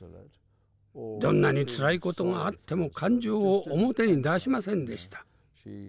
どんなにつらいことがあっても感情を表に出しませんでした。